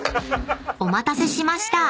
［お待たせしました！